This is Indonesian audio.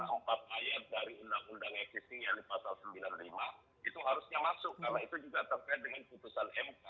itu harusnya masuk karena itu juga terkait dengan keputusan mk